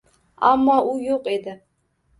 Ammo u yo’q edi.